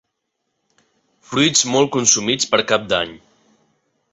Fruits molt consumits per cap d'any.